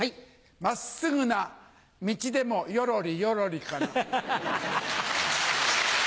真っすぐな道でもよろりよろりかな。